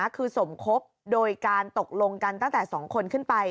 คือสมคบโดยการตกลงกันตั้งแต่๒คนขึ้นไป